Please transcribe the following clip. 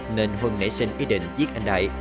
nên huân nảy sinh ý định giết anh đại